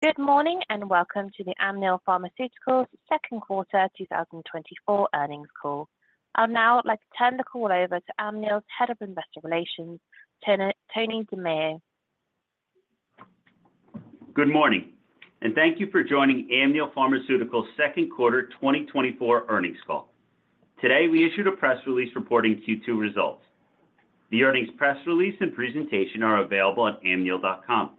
Good morning, and welcome to the Amneal Pharmaceuticals second quarter 2024 earnings call. I'll now like to turn the call over to Amneal's Head of Investor Relations, Tony, Tony Demir. Good morning, and thank you for joining Amneal Pharmaceuticals second quarter 2024 earnings call. Today, we issued a press release reporting Q2 results. The earnings press release and presentation are available on amneal.com.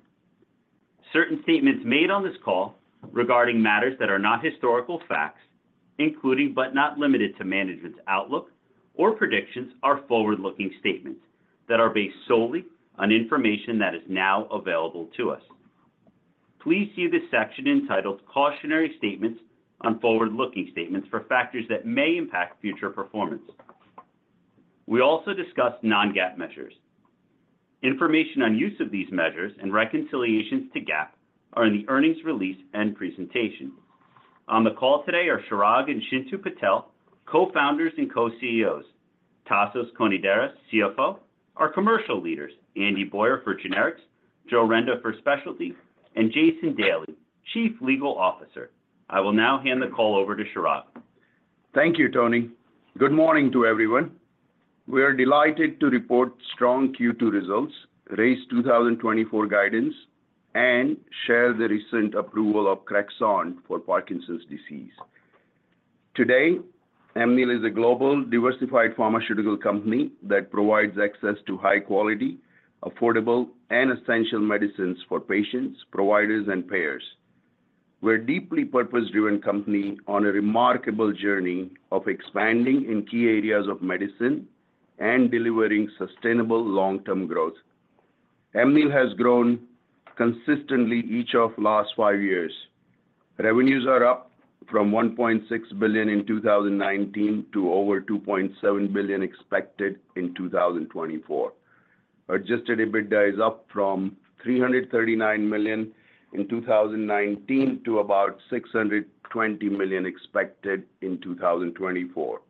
Certain statements made on this call regarding matters that are not historical facts, including but not limited to management's outlook or predictions, are forward-looking statements that are based solely on information that is now available to us. Please see the section entitled Cautionary Statements on Forward-Looking Statements for factors that may impact future performance. We also discussed non-GAAP measures. Information on use of these measures and reconciliations to GAAP are in the earnings release and presentation. On the call today are Chirag and Chintu Patel, Co-Founders and Co-CEOs; Tasos Konidaris, CFO; our Commercial Leaders, Andy Boyer for Generics, Joe Renda for Specialty; and Jason Daly, Chief Legal Officer. I will now hand the call over to Chirag. Thank you, Tony. Good morning to everyone. We are delighted to report strong Q2 results, raise 2024 guidance, and share the recent approval of CREXONT for Parkinson's disease. Today, Amneal is a global diversified pharmaceutical company that provides access to high quality, affordable, and essential medicines for patients, providers, and payers. We're a deeply purpose-driven company on a remarkable journey of expanding in key areas of medicine and delivering sustainable long-term growth. Amneal has grown consistently each of last five years. Revenues are up from $1.6 billion in 2019 to over $2.7 billion expected in 2024. Adjusted EBITDA is up from $339 million in 2019 to about $620 million expected in 2024.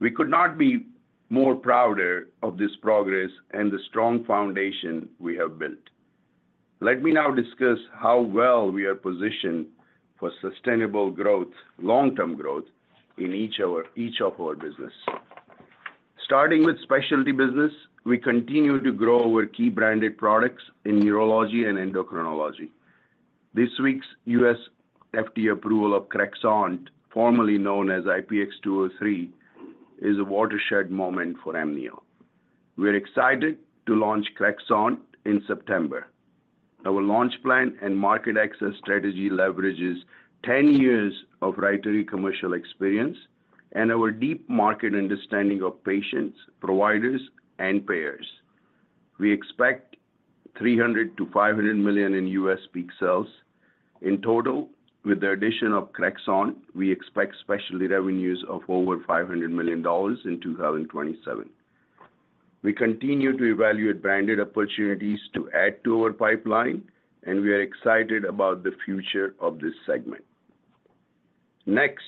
We could not be more prouder of this progress and the strong foundation we have built. Let me now discuss how well we are positioned for sustainable growth, long-term growth in each of our, each of our business. Starting with specialty business, we continue to grow our key branded products in neurology and endocrinology. This week's U.S. FDA approval of CREXONT, formerly known as IPX203, is a watershed moment for Amneal. We're excited to launch CREXONT in September. Our launch plan and market access strategy leverages 10 years of RYTARY commercial experience and our deep market understanding of patients, providers, and payers. We expect $300 million-$500 million in U.S. peak sales. In total, with the addition of CREXONT, we expect specialty revenues of over $500 million in 2027. We continue to evaluate branded opportunities to add to our pipeline, and we are excited about the future of this segment. Next,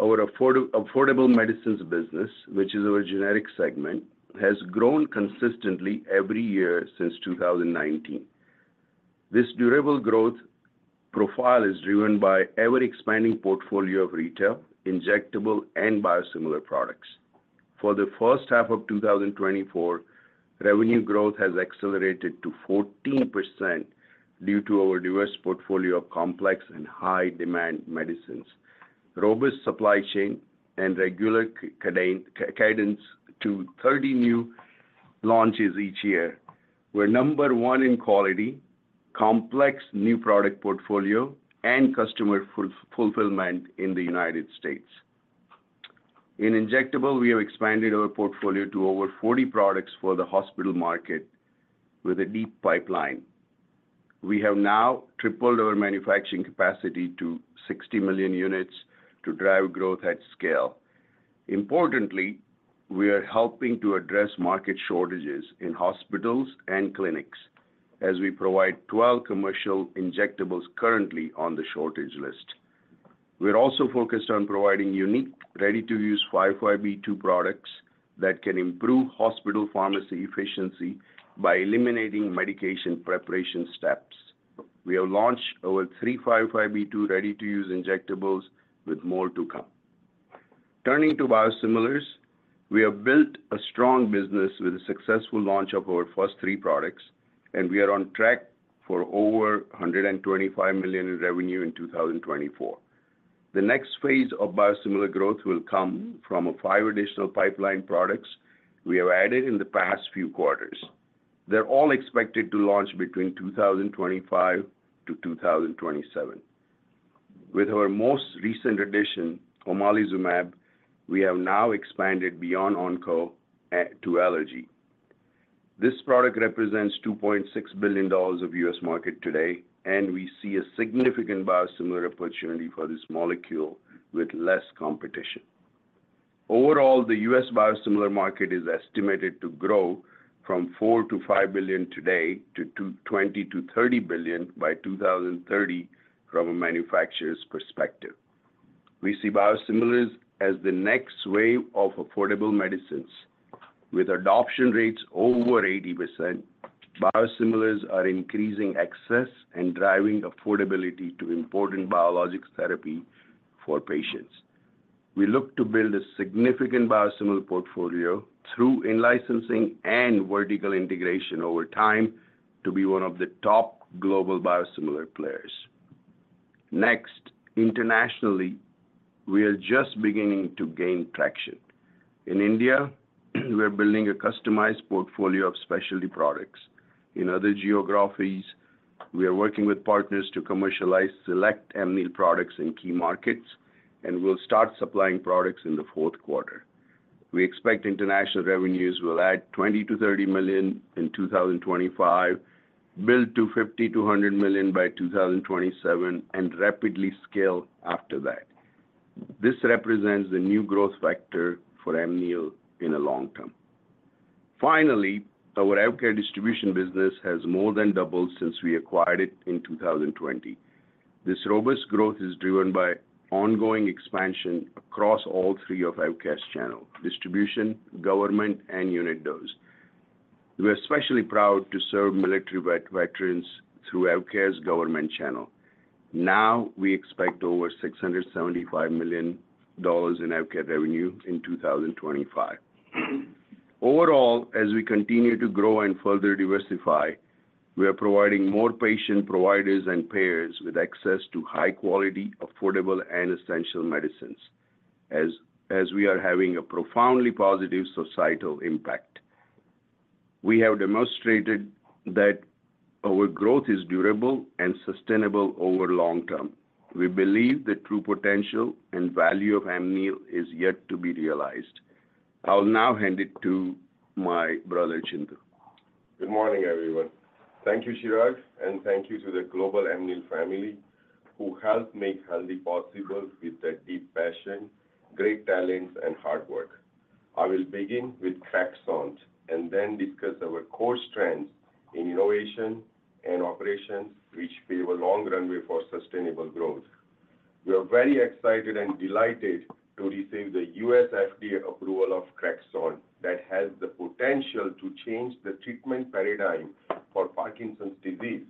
our affordable medicines business, which is our generic segment, has grown consistently every year since 2019. This durable growth profile is driven by ever-expanding portfolio of retail, injectable, and biosimilar products. For the first half of 2024, revenue growth has accelerated to 14% due to our diverse portfolio of complex and high-demand medicines, robust supply chain, and regular cadence to 30 new launches each year. We're number one in quality, complex new product portfolio, and customer fulfillment in the United States. In injectable, we have expanded our portfolio to over 40 products for the hospital market with a deep pipeline. We have now tripled our manufacturing capacity to 60 million units to drive growth at scale. Importantly, we are helping to address market shortages in hospitals and clinics as we provide 12 commercial injectables currently on the shortage list. We're also focused on providing unique, ready-to-use 505(b)(2) products that can improve hospital pharmacy efficiency by eliminating medication preparation steps. We have launched over 3 505(b)(2) ready-to-use injectables, with more to come. Turning to biosimilars, we have built a strong business with a successful launch of our first 3 products, and we are on track for over $125 million in revenue in 2024. The next phase of biosimilar growth will come from 5 additional pipeline products we have added in the past few quarters. They're all expected to launch between 2025-2027. With our most recent addition, omalizumab, we have now expanded beyond oncology to allergy. This product represents $2.6 billion of U.S. market today, and we see a significant biosimilar opportunity for this molecule with less competition. Overall, the U.S. biosimilar market is estimated to grow from $4 billion-$5 billion today to $20 billion-$30 billion by 2030 from a manufacturer's perspective. We see biosimilars as the next wave of affordable medicines. With adoption rates over 80%, biosimilars are increasing access and driving affordability to important biologics therapy for patients. We look to build a significant biosimilar portfolio through in-licensing and vertical integration over time, to be one of the top global biosimilar players. Next, internationally, we are just beginning to gain traction. In India, we are building a customized portfolio of specialty products. In other geographies, we are working with partners to commercialize, select Amneal products in key markets, and we'll start supplying products in the fourth quarter. We expect international revenues will add $20 million-$30 million in 2025, build to $50 million-$100 million by 2027, and rapidly scale after that. This represents the new growth vector for Amneal in the long term. Finally, our AvKare distribution business has more than doubled since we acquired it in 2020. This robust growth is driven by ongoing expansion across all three of AvKare's channels: distribution, government, and unit dose. We're especially proud to serve military veterans through AvKare's government channel. Now, we expect over $675 million in AvKare revenue in 2025. Overall, as we continue to grow and further diversify, we are providing more patient providers and payers with access to high quality, affordable, and essential medicines. As we are having a profoundly positive societal impact, we have demonstrated that our growth is durable and sustainable over long term. We believe the true potential and value of Amneal is yet to be realized. I'll now hand it to my brother, Chintu. Good morning, everyone. Thank you, Chirag, and thank you to the global Amneal family, who help make healthy possible with their deep passion, great talents, and hard work. I will begin with CREXONT, and then discuss our core strengths in innovation and operations, which pave a long runway for sustainable growth. We are very excited and delighted to receive the U.S. FDA approval of CREXONT, that has the potential to change the treatment paradigm for Parkinson's disease.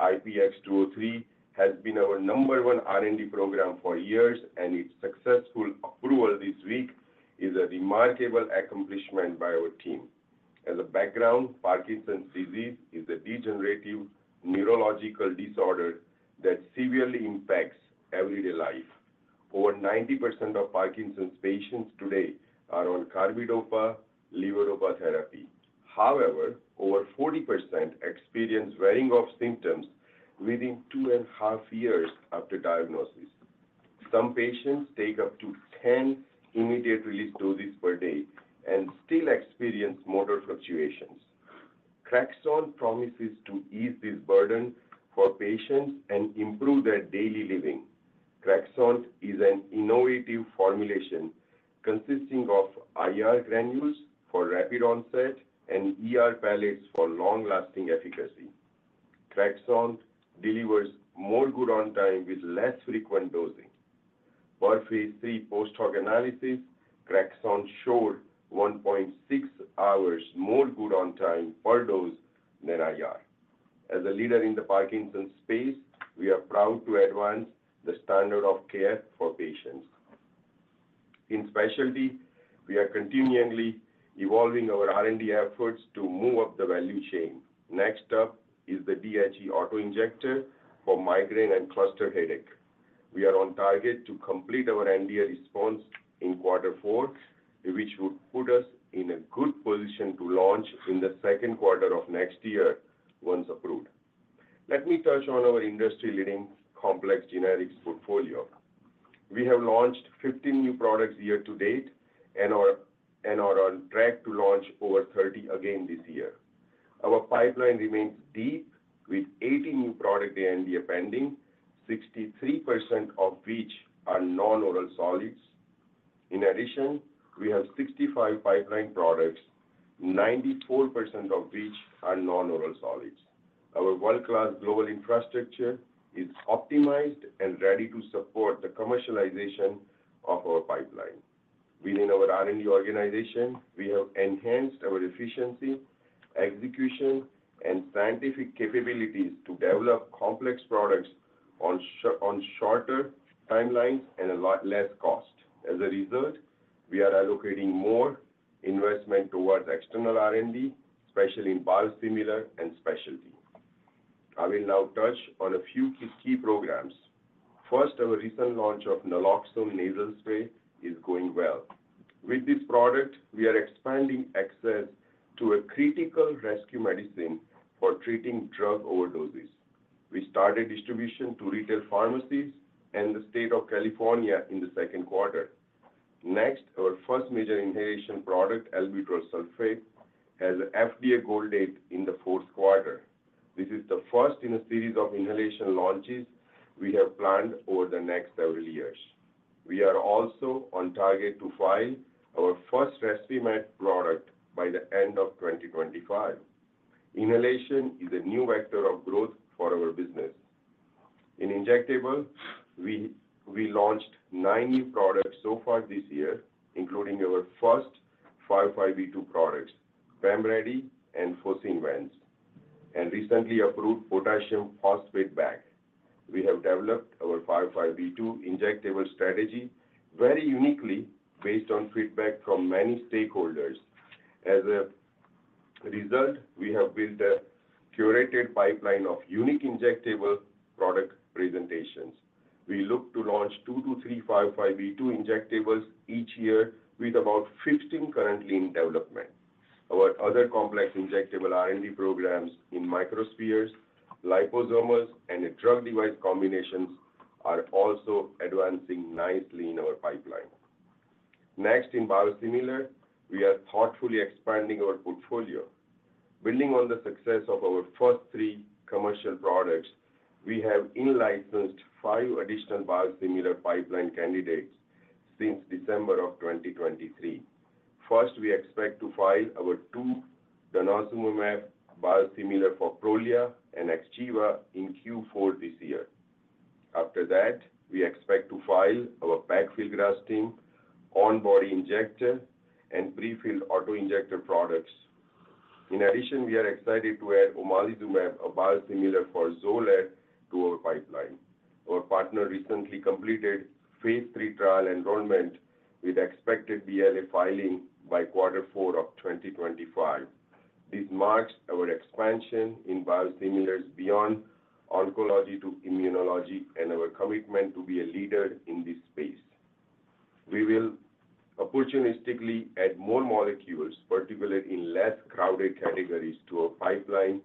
IPX203 has been our number one R&D program for years, and its successful approval this week is a remarkable accomplishment by our team. As a background, Parkinson's disease is a degenerative neurological disorder that severely impacts everyday life. Over 90% of Parkinson's patients today are on carbidopa/levodopa therapy. However, over 40% experience wearing off symptoms within two and a half years after diagnosis. Some patients take up to 10 immediate-release doses per day and still experience motor fluctuations. CREXONT promises to ease this burden for patients and improve their daily living. CREXONT is an innovative formulation consisting of IR granules for rapid onset and ER pellets for long-lasting efficacy. CREXONT delivers more Good ON time with less frequent dosing. By phase three post hoc analysis, CREXONT showed 1.6 hours more Good ON time per dose than IR. As a leader in the Parkinson's space, we are proud to advance the standard of care for patients. In specialty, we are continually evolving our R&D efforts to move up the value chain. Next up is the DHE auto-injector for migraine and cluster headache. We are on target to complete our NDA response in quarter four, which would put us in a good position to launch in the second quarter of next year, once approved. Let me touch on our industry-leading complex generics portfolio. We have launched 15 new products year to date and are on track to launch over 30 again this year. Our pipeline remains deep, with 80 new product NDAs pending, 63% of which are non-oral solids. In addition, we have 65 pipeline products, 94% of which are non-oral solids. Our world-class global infrastructure is optimized and ready to support the commercialization of our pipeline. Within our R&D organization, we have enhanced our efficiency, execution, and scientific capabilities to develop complex products on shorter timelines and a lot less cost. As a result, we are allocating more investment towards external R&D, especially in biosimilar and specialty. I will now touch on a few key, key programs. First, our recent launch of naloxone nasal spray is going well. With this product, we are expanding access to a critical rescue medicine for treating drug overdoses. We started distribution to retail pharmacies in the state of California in the second quarter. Next, our first major inhalation product, albuterol sulfate, has an FDA goal date in the fourth quarter. This is the first in a series of inhalation launches we have planned over the next several years. We are also on target to file our first Respimat product by the end of 2025. Inhalation is a new vector of growth for our business. In injectables, we launched 9 new products so far this year, including our first 505(b)(2) products, PEMRYDI RTU and FOCINVEZ, and recently approved potassium phosphate IV bag. We have developed our 505(b)(2) injectable strategy very uniquely based on feedback from many stakeholders. As a result, we have built a curated pipeline of unique injectable product presentations. We look to launch 2-3 505(b)(2) injectables each year, with about 15 currently in development. Our other complex injectable R&D programs in microspheres, liposomes, and drug-device combinations are also advancing nicely in our pipeline. Next, in biosimilars, we are thoughtfully expanding our portfolio. Building on the success of our first 3 commercial products, we have in-licensed 5 additional biosimilar pipeline candidates since December 2023. First, we expect to file our two denosumab biosimilars for Prolia and Xgeva in Q4 this year. After that, we expect to file our paclitaxel, on-body injector and prefilled auto-injector products. In addition, we are excited to add omalizumab, a biosimilar for Xolair, to our pipeline. Our partner recently completed phase 3 trial enrollment, with expected BLA filing by quarter four of 2025. This marks our expansion in biosimilars beyond oncology to immunology and our commitment to be a leader in this space. We will opportunistically add more molecules, particularly in less crowded categories, to our pipeline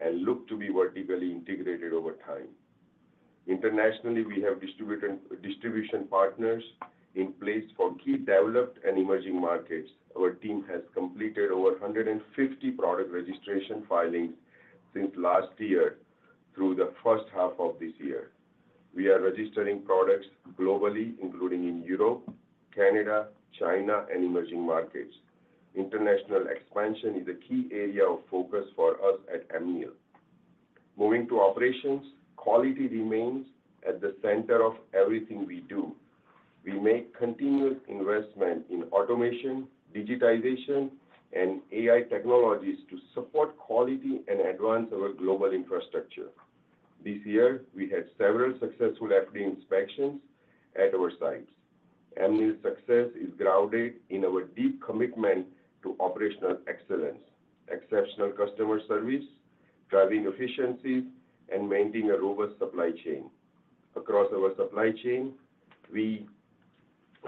and look to be vertically integrated over time. Internationally, we have distribution partners in place for key developed and emerging markets. Our team has completed over 150 product registration filings since last year through the first half of this year. We are registering products globally, including in Europe, Canada, China, and emerging markets. International expansion is a key area of focus for us at Amneal. Moving to operations, quality remains at the center of everything we do. We make continuous investment in automation, digitization, and AI technologies to support quality and advance our global infrastructure. This year, we had several successful FDA inspections at our sites. Amneal's success is grounded in our deep commitment to operational excellence, exceptional customer service, driving efficiencies, and maintaining a robust supply chain. Across our supply chain, we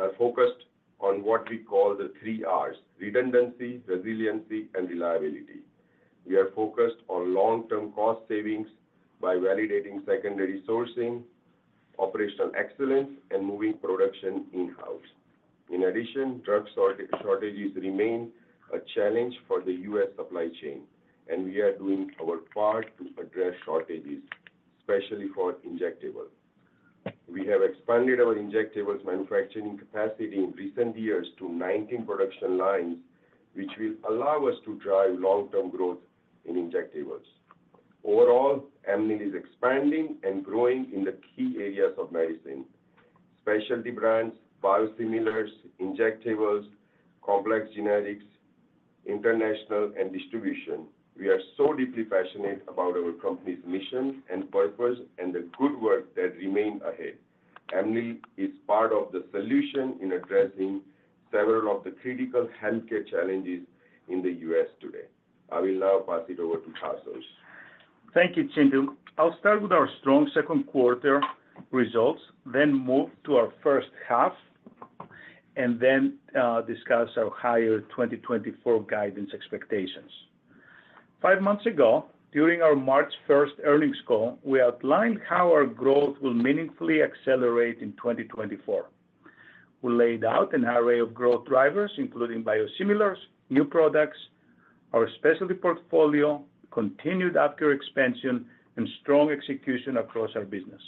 are focused on what we call the three Rs: redundancy, resiliency, and reliability. We are focused on long-term cost savings by validating secondary sourcing, operational excellence, and moving production in-house. In addition, drug shortages remain a challenge for the U.S. supply chain, and we are doing our part to address shortages, especially for injectables. We have expanded our injectables manufacturing capacity in recent years to 19 production lines, which will allow us to drive long-term growth in injectables. Overall, Amneal is expanding and growing in the key areas of medicine, specialty brands, biosimilars, injectables, complex generics, international, and distribution. We are so deeply passionate about our company's mission and purpose, and the good work that remain ahead. Amneal is part of the solution in addressing several of the critical healthcare challenges in the U.S. today. I will now pass it over to Tasos. Thank you, Chintu. I'll start with our strong second quarter results, then move to our first half, and then discuss our higher 2024 guidance expectations. Five months ago, during our March first earnings call, we outlined how our growth will meaningfully accelerate in 2024. We laid out an array of growth drivers, including biosimilars, new products, our specialty portfolio, continued AvKare expansion, and strong execution across our business.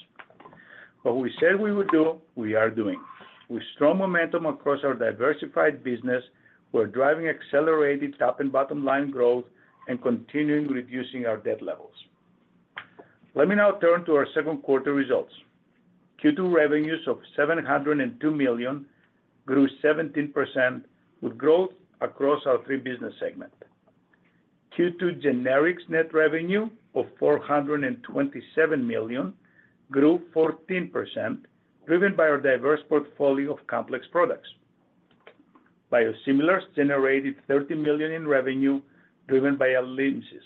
What we said we would do, we are doing. With strong momentum across our diversified business, we're driving accelerated top and bottom line growth and continuing to reduce our debt levels. Let me now turn to our second quarter results. Q2 revenues of $702 million grew 17%, with growth across our three business segments. Q2 generics net revenue of $427 million grew 14%, driven by our diverse portfolio of complex products. Biosimilars generated $30 million in revenue, driven by ALYMSYS.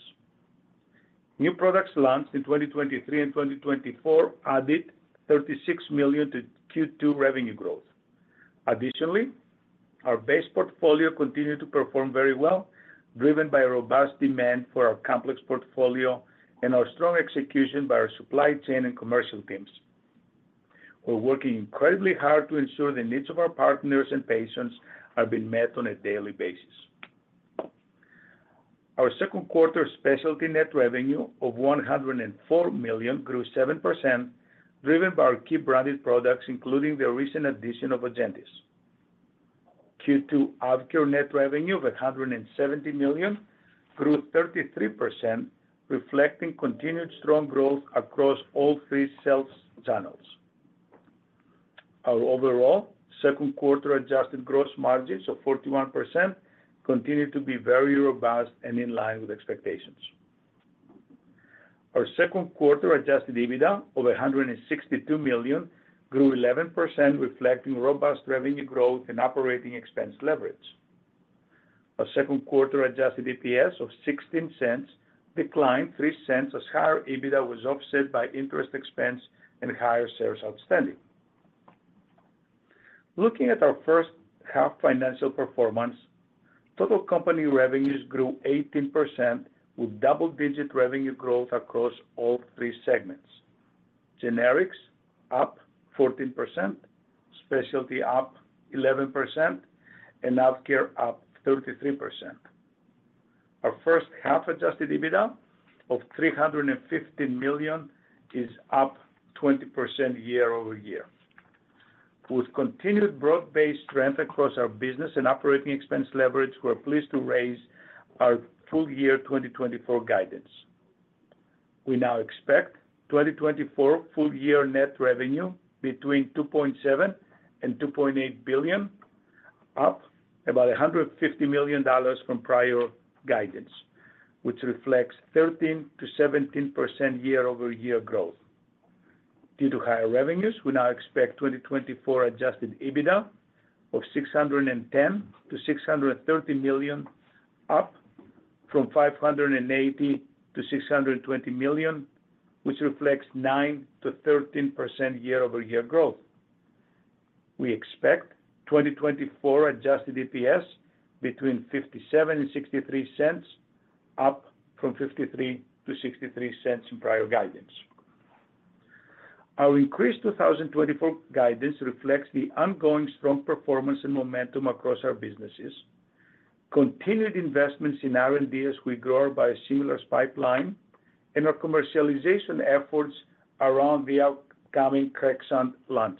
New products launched in 2023 and 2024 added $36 million to Q2 revenue growth. Additionally, our base portfolio continued to perform very well, driven by a robust demand for our complex portfolio and our strong execution by our supply chain and commercial teams. We're working incredibly hard to ensure the needs of our partners and patients are being met on a daily basis. Our second quarter specialty net revenue of $104 million grew 7%, driven by our key branded products, including the recent addition of ONGENTYS. Q2 AvKare net revenue of $170 million grew 33%, reflecting continued strong growth across all three sales channels. Our overall second quarter adjusted gross margins of 41% continued to be very robust and in line with expectations. Our second quarter adjusted EBITDA, over $162 million, grew 11%, reflecting robust revenue growth and operating expense leverage. Our second quarter adjusted EPS of $0.16 declined $0.03, as higher EBITDA was offset by interest expense and higher shares outstanding. Looking at our first half financial performance, total company revenues grew 18%, with double-digit revenue growth across all three segments. Generics up 14%, specialty up 11%, and AvKare up 33%. Our first half adjusted EBITDA of $350 million is up 20% year-over-year. With continued broad-based strength across our business and operating expense leverage, we're pleased to raise our full year 2024 guidance. We now expect 2024 full year net revenue between $2.7 billion and $2.8 billion, up about $150 million from prior guidance, which reflects 13%-17% year-over-year growth. Due to higher revenues, we now expect 2024 adjusted EBITDA of $610 million-$630 million, up from $580 million-$620 million, which reflects 9%-13% year-over-year growth. We expect 2024 adjusted EPS between $0.57 and $0.63, up from $0.53-$0.63 in prior guidance. Our increased 2024 guidance reflects the ongoing strong performance and momentum across our businesses, continued investments in R&D as we grow by a similar pipeline, and our commercialization efforts around the upcoming Crexont launch.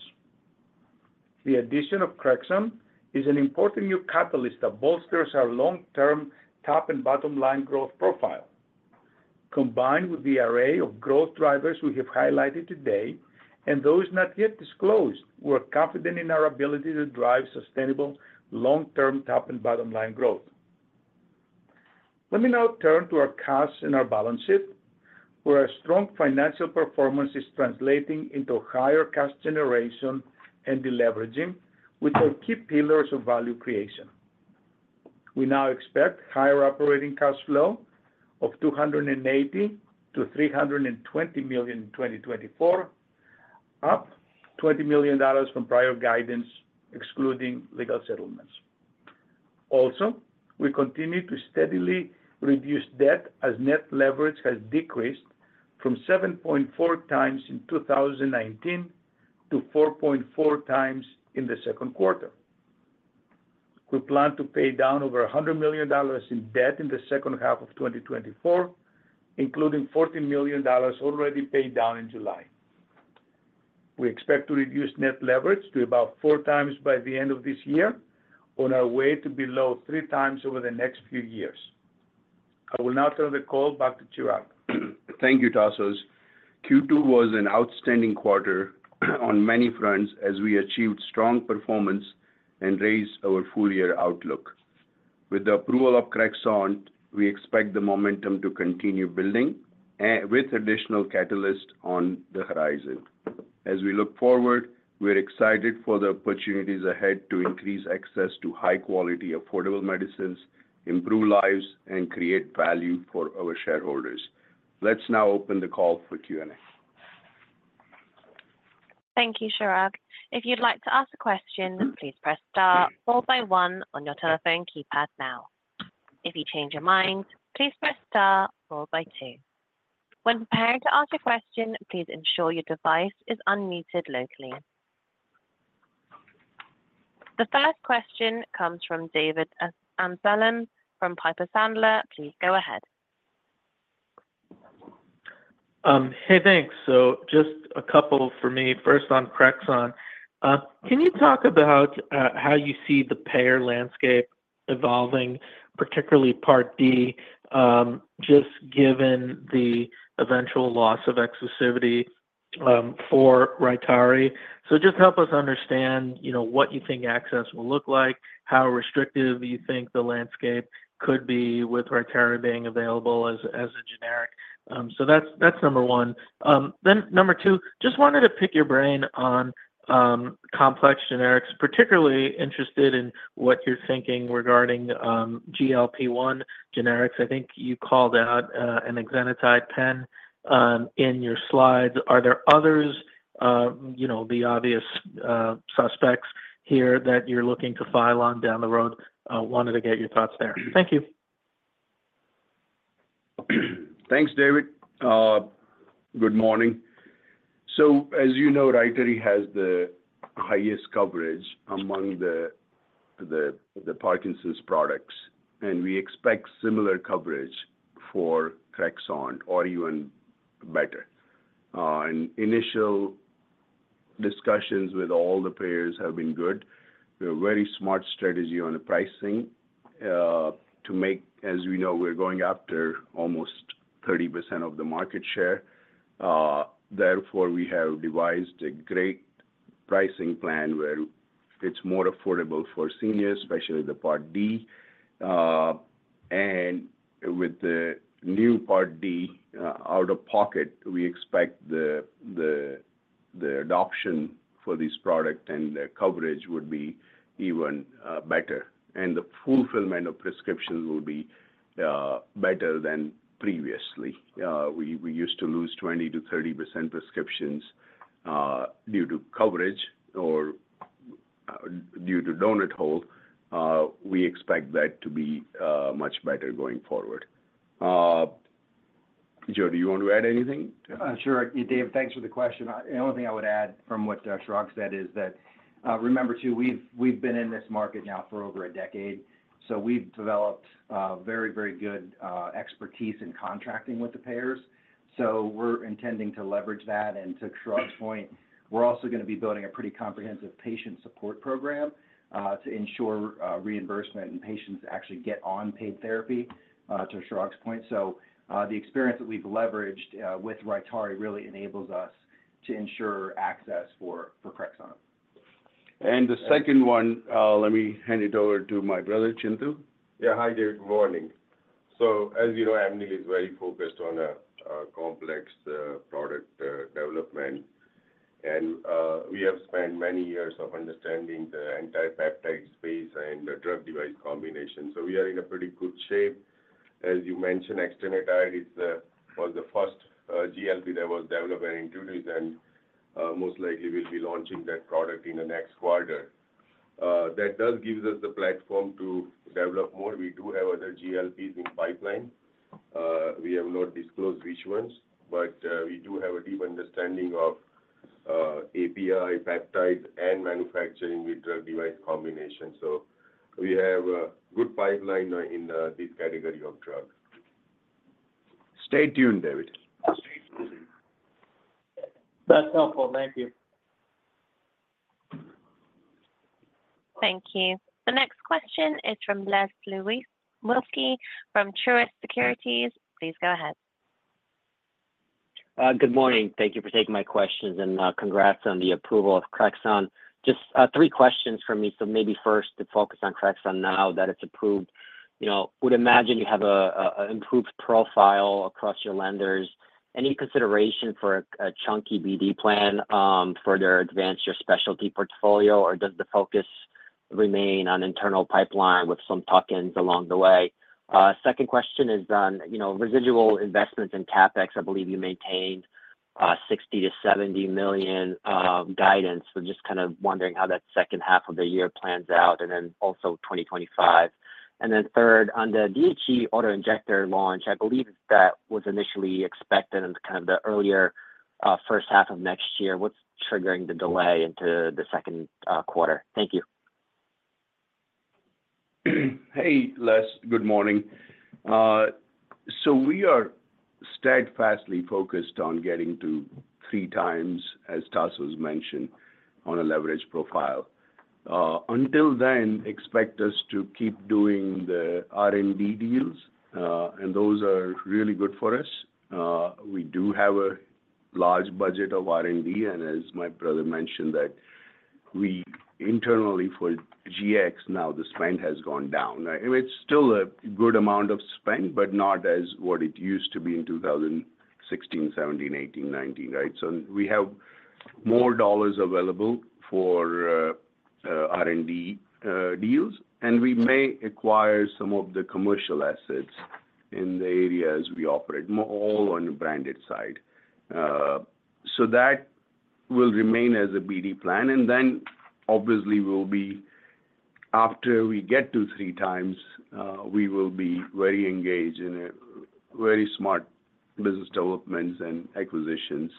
The addition of Crexont is an important new catalyst that bolsters our long-term top and bottom line growth profile. Combined with the array of growth drivers we have highlighted today, and those not yet disclosed, we're confident in our ability to drive sustainable long-term top and bottom line growth. Let me now turn to our cash and our balance sheet, where our strong financial performance is translating into higher cash generation and deleveraging with our key pillars of value creation. We now expect higher operating cash flow of $280 million-$320 million in 2024, up $20 million from prior guidance, excluding legal settlements. Also, we continue to steadily reduce debt as net leverage has decreased from 7.4x in 2019 to 4.4x in the second quarter. We plan to pay down over $100 million in debt in the second half of 2024, including $14 million already paid down in July. We expect to reduce net leverage to about 4x by the end of this year, on our way to below 3x over the next few years. I will now turn the call back to Chirag. Thank you, Tasos. Q2 was an outstanding quarter on many fronts as we achieved strong performance and raised our full year outlook. With the approval of Crexont, we expect the momentum to continue building with additional catalyst on the horizon. As we look forward, we're excited for the opportunities ahead to increase access to high quality, affordable medicines, improve lives, and create value for our shareholders. Let's now open the call for Q&A. Thank you, Chirag. If you'd like to ask a question, please press star followed by one on your telephone keypad now. If you change your mind, please press star followed by two. When preparing to ask a question, please ensure your device is unmuted locally. The first question comes from David Amsellem, from Piper Sandler. Please go ahead. Hey, thanks. So just a couple for me. First, on Crexont, can you talk about how you see the payer landscape evolving, particularly Part D, just given the eventual loss of exclusivity for Rytary? So just help us understand, you know, what you think access will look like, how restrictive you think the landscape could be with Rytary being available as a generic. So that's number one. Then number two, just wanted to pick your brain on complex generics, particularly interested in what you're thinking regarding GLP-1 generics. I think you called out an exenatide pen in your slides. Are there others, you know, the obvious suspects here that you're looking to file on down the road? Wanted to get your thoughts there. Thank you. Thanks, David. Good morning. So as you know, RYTARY has the highest coverage among the Parkinson's products, and we expect similar coverage for CREXONT or even better. And initial discussions with all the payers have been good. We have a very smart strategy on the pricing to make, as we know, we're going after almost 30% of the market share. Therefore, we have devised a great pricing plan where it's more affordable for seniors, especially the Part D. And with the new Part D out of pocket, we expect the adoption for this product and the coverage would be even better, and the fulfillment of prescriptions will be better than previously. We used to los e 20%-30% prescriptions due to coverage or due to Donut Hole. We expect that to be much better going forward. Joe, do you want to add anything? Sure. Dave, thanks for the question. The only thing I would add from what Chirag said is that, remember, too, we've, we've been in this market now for over a decade, so we've developed very, very good expertise in contracting with the payers. So we're intending to leverage that. And to Chirag's point, we're also going to be building a pretty comprehensive patient support program to ensure reimbursement and patients actually get on paid therapy, to Chirag's point. So, the experience that we've leveraged with Rytary really enables us to ensure access for Crexont. And the second one, let me hand it over to my brother, Chintu. Yeah. Hi, there. Good morning. So as you know, Amneal is very focused on complex product development, and we have spent many years understanding the anti-peptide space and the drug-device combination. So we are in a pretty good shape. As you mentioned, exenatide is the, was the first GLP that was developed in-house and most likely we'll be launching that product in the next quarter. That does gives us the platform to develop more. We do have other GLPs in pipeline. We have not disclosed which ones, but we do have a deep understanding of API peptides and manufacturing with drug-device combination. So we have a good pipeline in this category of drug. Stay tuned, David. That's helpful. Thank you. Thank you. The next question is from Les Sulewski from Truist Securities. Please go ahead. Good morning. Thank you for taking my questions, and congrats on the approval of CREXONT. Just three questions from me. So maybe first, to focus on CREXONT now that it's approved, you know, would imagine you have a improved profile across your lenders. Any consideration for a chunky BD plan, further advance your specialty portfolio, or does the focus remain on internal pipeline with some tuck-ins along the way? Second question is on, you know, residual investments in CapEx. I believe you maintained $60 million-$70 million guidance. So just kind of wondering how that second half of the year plans out, and then also 2025. And then third, on the DHE auto-injector launch, I believe that was initially expected in kind of the earlier first half of next year. What's triggering the delay into the second quarter? Thank you. Hey, Les. Good morning. So we are steadfastly focused on getting to three times, as Tasos mentioned, on a leverage profile. Until then, expect us to keep doing the R&D deals, and those are really good for us. We do have a large budget of R&D, and as my brother mentioned, that we internally for GX now, the spend has gone down. It's still a good amount of spend, but not as what it used to be in 2016, 2017, 2018, 2019, right? So we have more dollars available for R&D deals, and we may acquire some of the commercial assets in the areas we operate, all on the branded side. So that will remain as a BD plan, and then obviously, we'll be after we get to three times, we will be very engaged in a very smart business developments and acquisitions,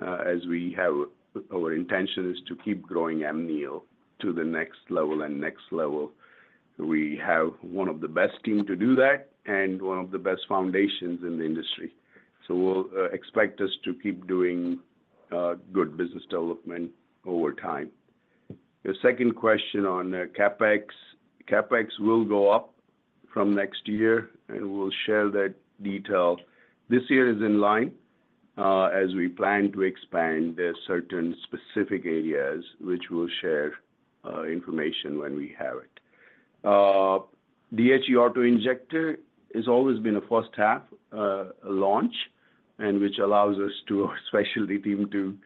as we have... Our intention is to keep growing Amneal to the next level and next level. We have one of the best team to do that and one of the best foundations in the industry. So we'll expect us to keep doing good business development over time. The second question on CapEx. CapEx will go up from next year, and we'll share that detail. This year is in line, as we plan to expand the certain specific areas, which we'll share information when we have it. DHE Auto-Injector has always been a first-half launch and which allows us to, our specialty team, to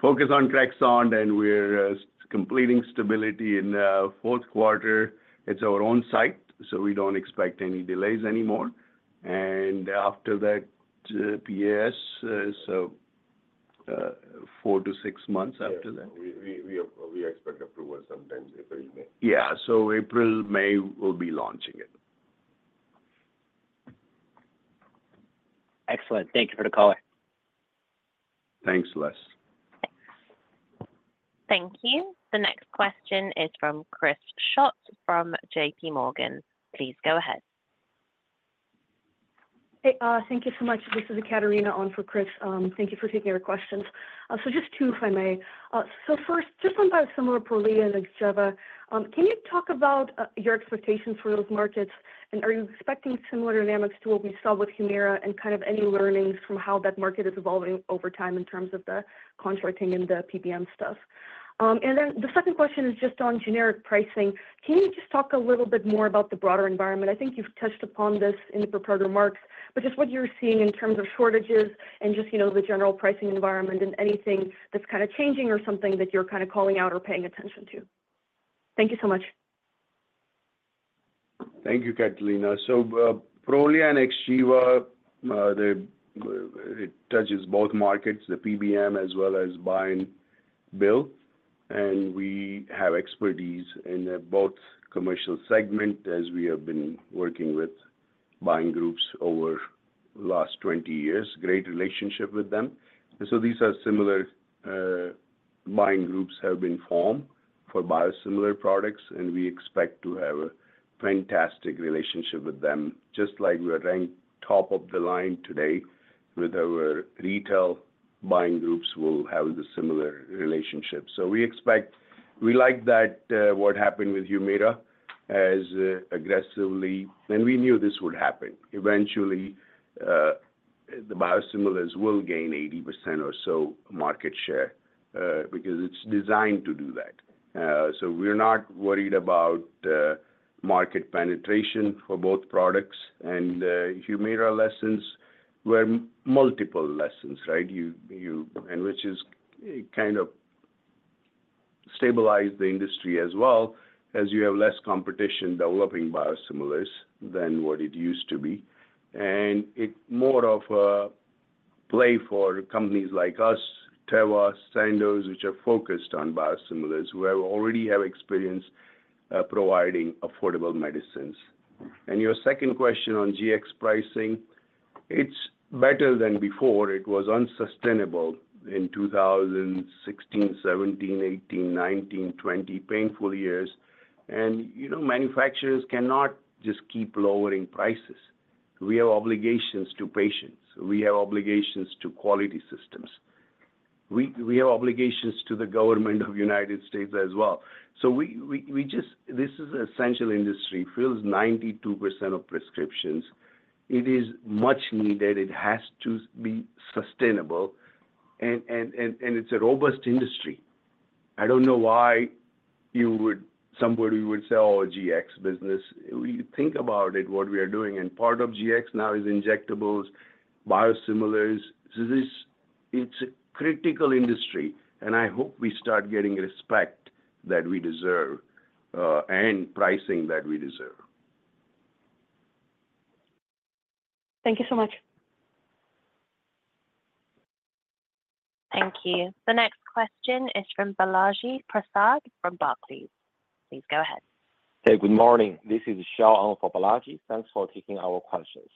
focus on CREXONT, and we're completing stability in fourth quarter. It's our own site, so we don't expect any delays anymore. And after that, PS, so, 4-6 months after that. We expect approval sometime April, May. Yeah. So April, May, we'll be launching it. Excellent. Thank you for the color. Thanks, Les.... Thank you. The next question is from Chris Schott from J.P. Morgan. Please go ahead. Hey, thank you so much. This is Ekaterina on for Chris. Thank you for taking our questions. So just two, if I may. So first, just on biosimilar Prolia and Xgeva, can you talk about your expectations for those markets? And are you expecting similar dynamics to what we saw with Humira and kind of any learnings from how that market is evolving over time in terms of the contracting and the PBM stuff? And then the second question is just on generic pricing. Can you just talk a little bit more about the broader environment? I think you've touched upon this in the prepared remarks, but just what you're seeing in terms of shortages and just, you know, the general pricing environment and anything that's kind of changing or something that you're kind of calling out or paying attention to. Thank you so much. Thank you, Ekaterina. Prolia and Xgeva, they, it touches both markets, the PBM as well as Buy and Bill, and we have expertise in both commercial segment, as we have been working with buying groups over the last 20 years. Great relationship with them. And so these are similar, buying groups have been formed for biosimilar products, and we expect to have a fantastic relationship with them. Just like we are ranked top of the line today with our retail buying groups, we'll have a similar relationship. So we expect... We like that, what happened with Humira as, aggressively, and we knew this would happen. Eventually, the biosimilars will gain 80% or so market share, because it's designed to do that. So we're not worried about market penetration for both products. And, Humira lessons were multiple lessons, right? You know, which is, it kind of stabilized the industry as well, as you have less competition developing biosimilars than what it used to be. And it's more of a play for companies like us, Teva, Sandoz, which are focused on biosimilars, where we already have experience providing affordable medicines. And your second question on GX pricing, it's better than before. It was unsustainable in 2016, 2017, 2018, 2019, 2020—painful years. And, you know, manufacturers cannot just keep lowering prices. We have obligations to patients. We have obligations to quality systems. We just—this is an essential industry, fills 92% of prescriptions. It is much needed. It has to be sustainable, and it's a robust industry. I don't know why you would, somebody would sell a GX business. We think about it, what we are doing, and part of GX now is injectables, biosimilars. So this, it's a critical industry, and I hope we start getting respect that we deserve, and pricing that we deserve. Thank you so much. Thank you. The next question is from Balaji Prasad from Barclays. Please go ahead. Hey, good morning. This is Xiao on for Balaji. Thanks for taking our questions.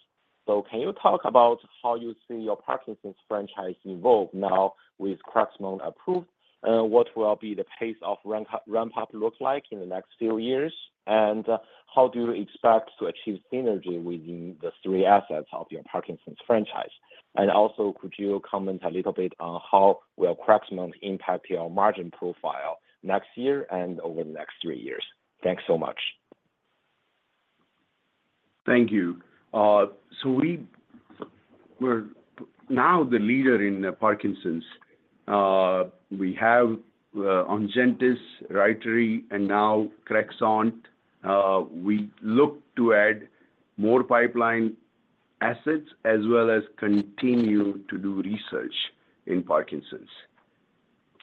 So can you talk about how you see your Parkinson's franchise evolve now with CREXONT approved? What will be the pace of ramp up, ramp up look like in the next few years? And how do you expect to achieve synergy within the three assets of your Parkinson's franchise? And also, could you comment a little bit on how will CREXONT impact your margin profile next year and over the next three years? Thanks so much. Thank you. So we're now the leader in Parkinson's. We have ONGENTYS, RYTARY, and now CREXONT. We look to add more pipeline assets as well as continue to do research in Parkinson's.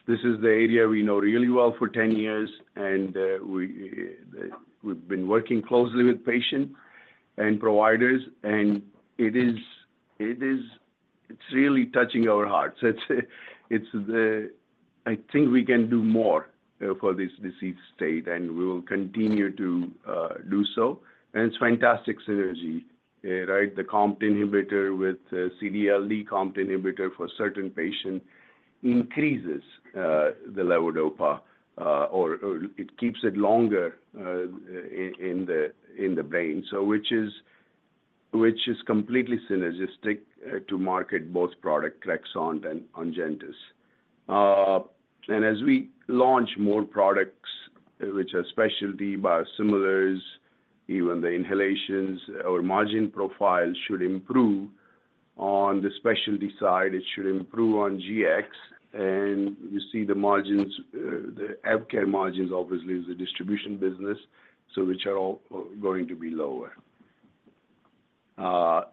This is the area we know really well for 10 years, and we've been working closely with patients and providers, and it is, it's really touching our hearts. It's the... I think we can do more for this disease state, and we will continue to do so, and it's fantastic synergy, right? The COMT inhibitor with CD/LD, the COMT inhibitor for certain patients, increases the levodopa, or it keeps it longer in the brain. So which is completely synergistic to market both product, CREXONT and ONGENTYS. And as we launch more products, which are specialty biosimilars, even the inhalations, our margin profile should improve on the specialty side. It should improve on generics, and you see the margins, the AvKare margins obviously, is a distribution business, so which are all going to be lower.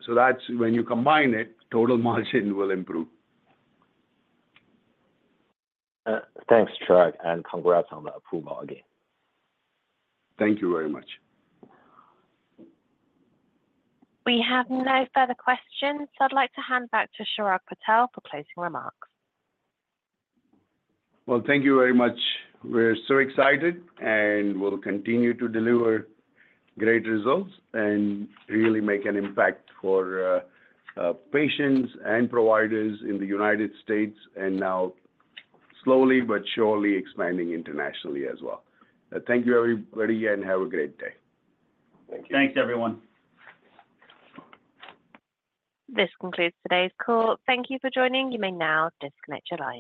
So that's when you combine it, total margin will improve. Thanks, Chirag, and congrats on the approval again. Thank you very much. We have no further questions, so I'd like to hand back to Chirag Patel for closing remarks. Well, thank you very much. We're so excited, and we'll continue to deliver great results and really make an impact for patients and providers in the United States, and now slowly but surely expanding internationally as well. Thank you, everybody, and have a great day. Thank you. Thanks, everyone. This concludes today's call. Thank you for joining. You may now disconnect your lines.